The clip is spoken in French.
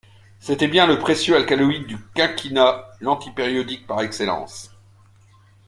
C’était bien le précieux alcaloïde du quinquina, l’anti-périodique par excellence.